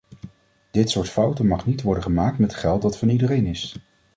Dit soort fouten mag niet worden gemaakt met geld dat van iedereen is.